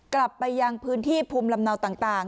กลับไปยังพื้นที่ภูมิลำเนาต่าง